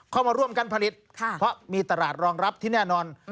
เข้ามาร่วมกันผลิตเพราะมีตลาดรองรับที่แน่นอน